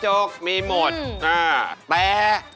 โชว์ที่สุดท้าย